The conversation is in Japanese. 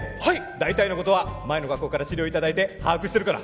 大体の事は前の学校から資料を頂いて把握してるから。